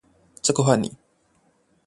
這個換你